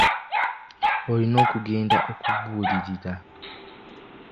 Olina okugenda okubuulirira.